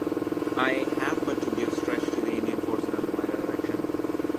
I have but to give stretch to the Indian forces under my direction.